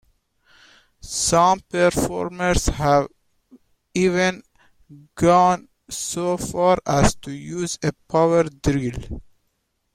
Some performers have even gone so far as to use a power drill.